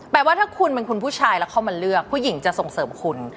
ว่าถ้าคุณเป็นคุณผู้ชายแล้วเข้ามาเลือกผู้หญิงจะส่งเสริมคุณ